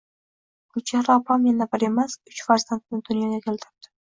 Gulchehra opam yana bir emas, uch farzandni dunyoga keltirdi